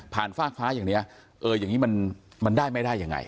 ฟากฟ้าอย่างนี้เอออย่างนี้มันได้ไม่ได้ยังไง